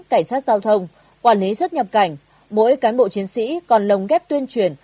cảnh sát giao thông quản lý xuất nhập cảnh mỗi cán bộ chiến sĩ còn lồng ghép tuyên truyền